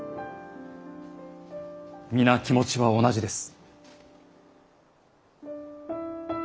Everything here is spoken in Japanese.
皆気持ちは同じです。